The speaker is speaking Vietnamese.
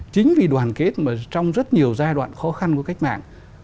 chính vì đoàn kết mà trong rất nhiều giai đoạn khó khăn của cách mạng